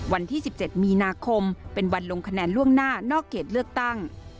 วันที่๑๗มีนาคมเป็นวันลงคะแนนล่วงหน้านอกเขตเลือกตั้ง